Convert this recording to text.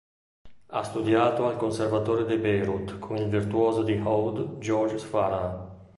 Ha studiato al Conservatorio di Beirut con il virtuoso di oud Georges Farah.